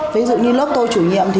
ví dụ như lớp tôi chủ nhiệm thì